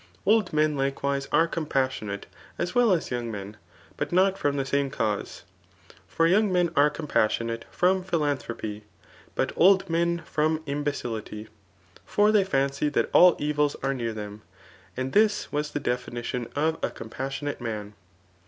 Old men likewise are compas sionate as well as young men, but not from the same cause ; for young men are compassionate from philan* thropy, but old men from imbecility ; for they fancy tfaat all evils are near them ; and this was the de6nition of a compassionate man.